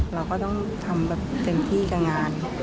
เราก็ต้องทำแบบเต็มที่กับงาน